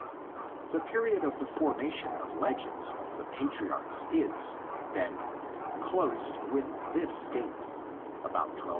The period of the formation of legends of the patriarchs is, then, closed with this date (about 1200).